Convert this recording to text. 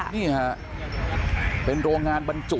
นี่ฮะเป็นโรงงานบรรจุ